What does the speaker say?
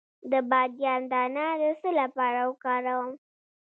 د بادیان دانه د څه لپاره وکاروم؟